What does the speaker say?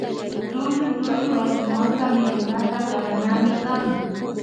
Tullu tullu allkumanka mikunata karanami kan